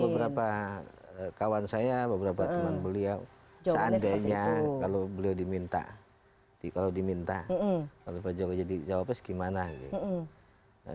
beberapa kawan saya beberapa teman beliau seandainya kalau beliau diminta kalau diminta oleh pak jokowi jadi cawapres gimana gitu